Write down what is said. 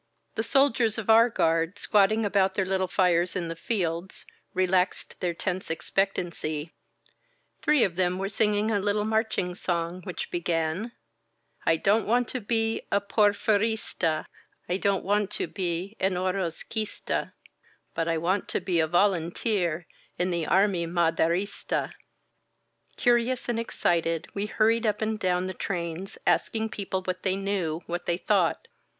The soldiers of our guard, squat ting about their little fires in the fields, relaxed their 208 THE BLOODY DAWN tense expectancy; three of them were singing a little marching song, which began: / dorCt want to he a Porfirista^ I don^t want to be an Orozqmstay But I want to be a volwnteer in the army Maderista! Curious and excited, we hurried up and down the trains, asking people what they knew, what they thought.